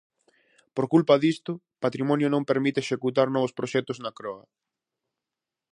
Por culpa disto, patrimonio non permite executar novo proxectos na croa.